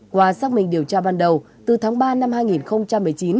qua xác minh điều tra ban đầu từ tháng ba năm hai nghìn một mươi chín